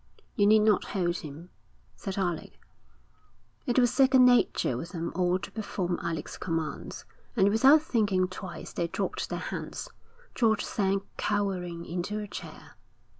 'You need not hold him,' said Alec. It was second nature with them all to perform Alec's commands, and without thinking twice they dropped their hands. George sank cowering into a chair.